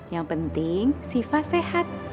yang penting siva sehat